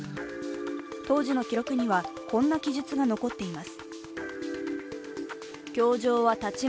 当時の記録にはこんな記述が残っています。